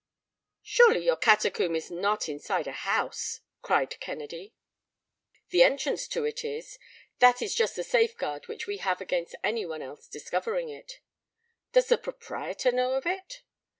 "Surely your catacomb is not inside a house!" cried Kennedy. "The entrance to it is. That is just the safeguard which we have against anyone else discovering it." "Does the proprietor know of it?"